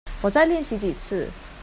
我再練習幾次